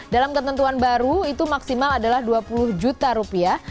dalam ketentuan baru itu maksimal adalah dua puluh juta rupiah